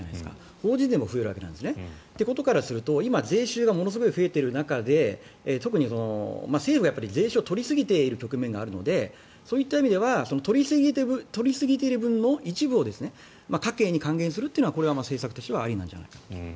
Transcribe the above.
法人でも増える。ということからすると今、税収がものすごい増えてる中で特に政府は、税収を取りすぎている局面があるので取りすぎている分の一部を家計に還元するというのは政策としてありなんじゃないかと。